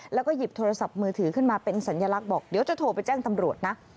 แล้วก็หยิบโทรศัพท์มือถือขึ้นมาเป็นสัญลักษณ์บอกเดี๋ยวจะโทรไปแจ้งตำรวจนะ